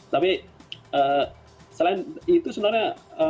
tapi selain itu sebenarnya